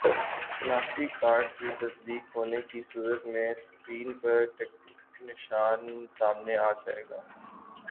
شناختی کارڈ کی تصدیق ہونے کی صورت میں سکرین پر ٹک کا نشان سامنے آ جائے گا